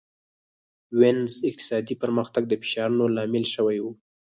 وینز اقتصادي پرمختګ د فشارونو لامل شوی و.